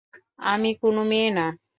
আমি কোনো মেয়ে না!